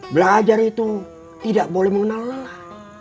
belajar itu tidak boleh mengenal lelah